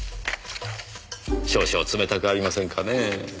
少々冷たくありませんかねえ。